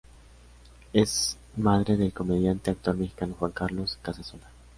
Es madre del comediante y actor mexicano Juan Carlos Casasola.